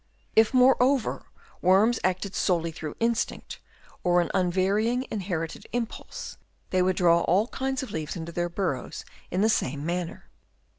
If, moreover, worms acted solely through instinct or an unvary ing inherited impulse, they would draw all kinds of leaves into their burrows in the same manner.